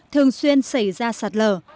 thường xuyên xảy ra sạt lở